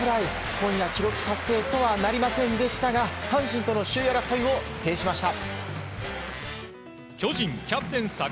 今夜、記録達成とはなりませんでしたが阪神との首位争いを制しました。